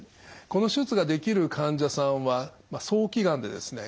この手術ができる患者さんは早期がんでですね